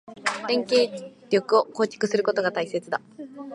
連携力を構築することが大切だ。